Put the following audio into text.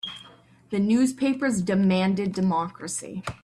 The newspapers demanded democracy.